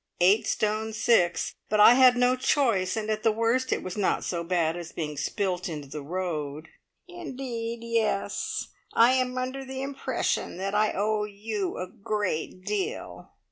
"Eight stone six. But I had no choice; and at the worst, it was not so bad as being spilt into the road." "Indeed, yes. I am under the impression that I owe you a great deal.